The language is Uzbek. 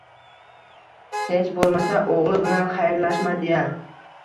Hech bo‘lmasa, o‘g‘li bilan xayrlashmadi-ya.